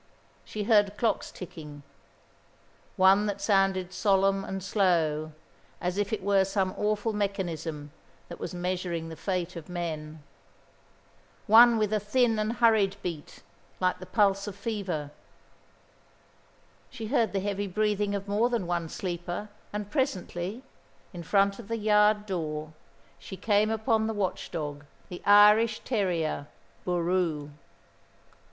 She heard clocks ticking: one that sounded solemn and slow, as if it were some awful mechanism that was measuring the fate of men; one with a thin and hurried beat, like the pulse of fever; she heard the heavy breathing of more than one sleeper; and presently, in front of the yard door, she came upon the watch dog, the Irish terrier, Boroo.